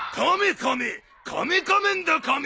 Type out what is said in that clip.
カメカメンだカメ！